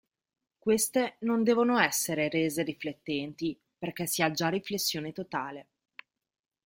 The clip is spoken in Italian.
Queste non devono essere rese riflettenti, perché si ha già riflessione totale.